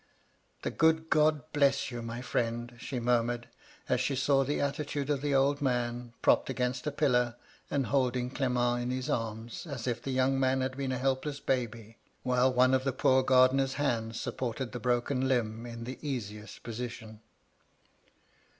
''* The good God bless you, my friend 1' she mur mured, as she saw the attitude of the old man, propped against a pillar, and holding Clement in his arms, as if the young man had been a helpless baby, while one of the poor gardener's hands supported the broken limb in the easiest position.